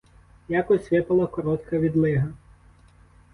Якось випала коротка відлига.